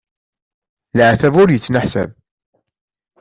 Leɛtab ur yettneḥsab!